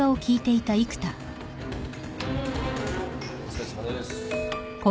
お疲れさまです。